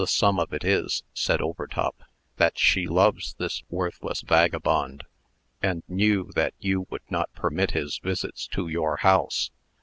"The sum of it is," said Overtop, "that she loves this worthless vagabond, and knew that you would not permit his visits to your house.